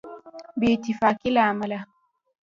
بې اتفاقۍ له امله.